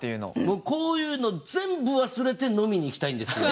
僕こういうの全部忘れて飲みに行きたいんですよ。